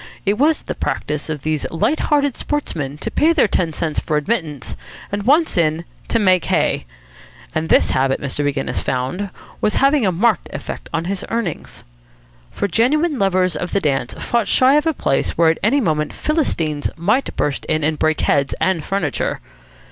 It was the practice of these light hearted sportsmen to pay their ten cents for admittance, and once in, to make hay. And this habit, Mr. Maginnis found, was having a marked effect on his earnings. For genuine lovers of the dance fought shy of a place where at any moment Philistines might burst in and break heads and furniture.